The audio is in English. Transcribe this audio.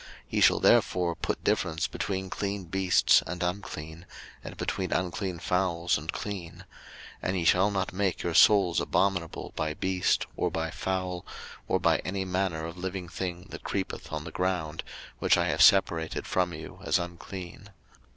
03:020:025 Ye shall therefore put difference between clean beasts and unclean, and between unclean fowls and clean: and ye shall not make your souls abominable by beast, or by fowl, or by any manner of living thing that creepeth on the ground, which I have separated from you as unclean.